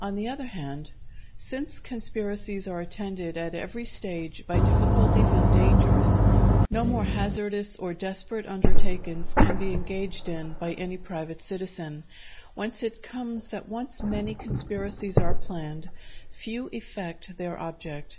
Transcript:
On the other hand, since conspiracies are attended at every stage by difficulties and dangers, no more hazardous or desperate undertakings can be engaged in by any private citizen; whence it comes that while many conspiracies are planned, few effect their object.